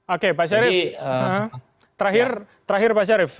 oke pak syarif terakhir pak syarif